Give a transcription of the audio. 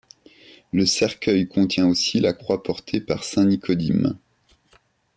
Le cercueil contient aussi la croix portée par Saint Nicodim.